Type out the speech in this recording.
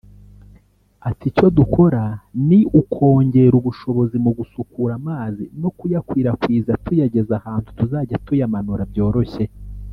Ati “Icyo dukora ni ukongera ubushobozi mu gusukura amazi no kuyakwirakwiza tuyageza ahantu tuzajya tuyamanura byoroshye